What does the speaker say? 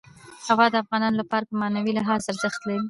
هوا د افغانانو لپاره په معنوي لحاظ ارزښت لري.